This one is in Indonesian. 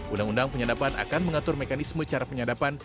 undang undang penyadapan akan mengatur mekanisme cara penyadapan